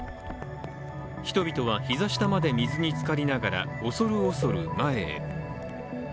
人々は膝下まで水につかりながら恐る恐る前へ。